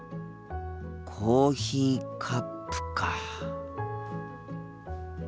コーヒーカップか。